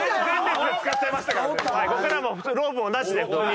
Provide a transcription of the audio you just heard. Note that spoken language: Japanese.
ここからはもうロープもなしで普通に。